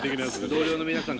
同僚の皆さん